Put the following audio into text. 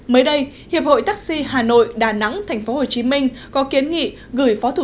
mới đây hiệp hội taxi hà nội đà nẵng tp hcm có kiến nghị gửi phó thủy